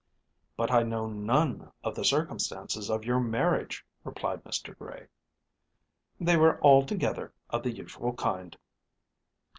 "But I know none of the circumstances of your marriage," replied Mr. Gray. "They were altogether of the usual kind."